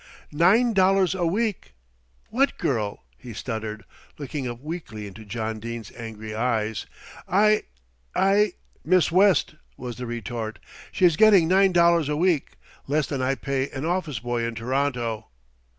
"Nine dollars a week! What girl?" he stuttered, looking up weakly into John Dene's angry eyes. "I I " "Miss West," was the retort. "She's getting nine dollars a week, less than I pay an office boy in T'ronto."